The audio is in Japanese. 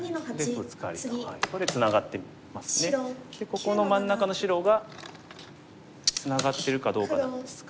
ここの真ん中の白がツナがってるかどうかなんですが。